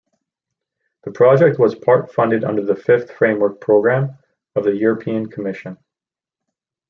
The project was part-funded under the Fifth Framework Programme of the European Commission.